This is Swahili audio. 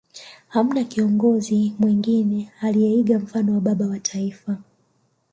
Hamna kiongozi mwengine aliyeiga mfano wa Baba wa Taifa